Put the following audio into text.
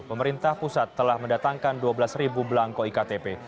pemerintah pusat telah mendatangkan dua belas belangko iktp